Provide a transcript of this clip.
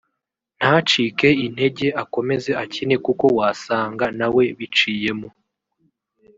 ntacike intege akomeze akine kuko wasanga nawe biciyemo